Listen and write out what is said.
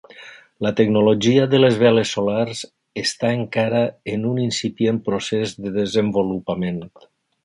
La tecnologia de les veles solars està encara en un incipient procés de desenvolupament.